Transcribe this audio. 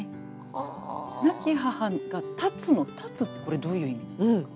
「亡き母が顕つ」の「顕つ」ってこれどういう意味なんですか？